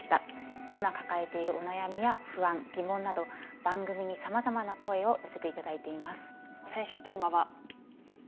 今抱えているお悩みや不安疑問など番組にさまざまな声を寄せて頂いています。